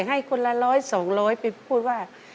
ให้คนละร้อยสองร้อยไปพูดว่า